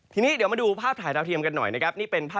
ทีนี้เดี๋ยวมาดูภาพถ่ายทาวเทียมกันหน่อยนะครับ